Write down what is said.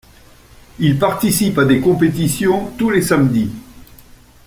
Il participe à des compétitions tous les samedis.